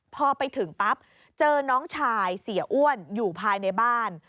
พอไปถึงปั๊บเจอน้องชายเสียอ้วนอยู่ภายในบ้าน